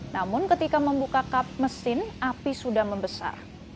namun ketika membuka kap mesin api sudah membesar